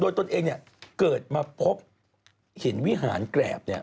โดยตนเองเกิดมาพบเห็นวิหารแกรบ